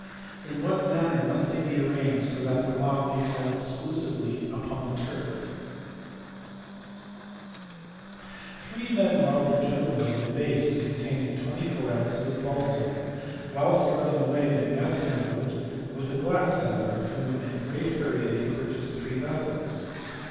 In what manner must they be arranged, so that the lot may fall exclusively upon the Turks ?" "Three men robbed a gentleman of a vase containing 24 ounces of balsam. Whilst running away they met in a wood with a glass seller of whom in a great hurry they purchased three vessels.